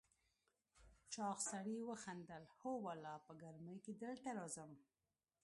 چاغ سړي وخندل: هو والله، په ګرمۍ کې دلته راځم.